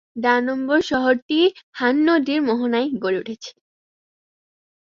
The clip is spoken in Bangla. ডানম্বর শহরটি হান নদীর মহনায় গড়ে উঠেছে।